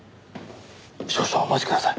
少々お待ちください。